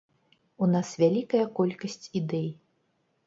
У нас вялікая колькасць ідэй.